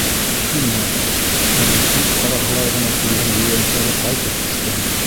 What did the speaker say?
Тимәк, уның күҙ ҡараһылай ғына күргән ейәнсәре ҡайтып төшкән.